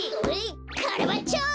カラバッチョ！